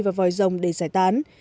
và vòi dòng để giải tán